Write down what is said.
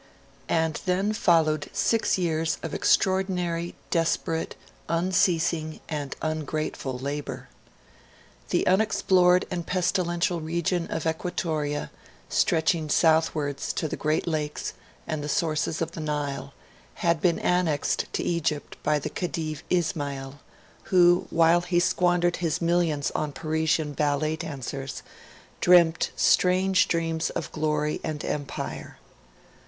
And then followed six years of extraordinary, desperate, unceasing, and ungrateful labour. The unexplored and pestilential region of Equatoria, stretching southwards to the Great Lakes and the sources of the Nile, had been annexed to Egypt by the Khedive Ismail, who, while he squandered his millions on Parisian ballet dancers, dreamt strange dreams of glory and empire.